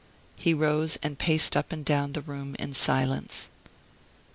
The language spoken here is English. He rose and paced up and down the room in silence.